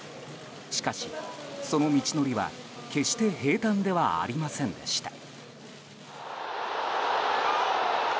しかし、その道のりは決して平たんではありませんでした。